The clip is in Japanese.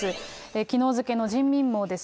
きのう付の人民網です。